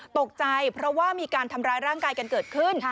ตกใจเพราะว่ามีการทำร้ายร่างกายกันเกิดขึ้น